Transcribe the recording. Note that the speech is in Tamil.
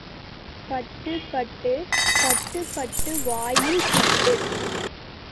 பட்டு, பட்டு, பட்டு பட்டு வாயில் பிட்டு.